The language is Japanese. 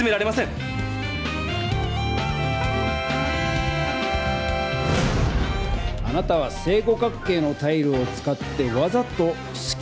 あなたは正五角形のタイルを使ってわざとすきまを見せた。